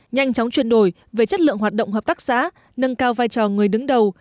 nhanh chóng chuyển đổi về chất lượng hoạt động hợp tác xã nâng cao vai trò người đứng đầu